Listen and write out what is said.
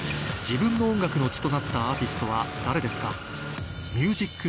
自分の音楽の血となったアーティストは誰ですか？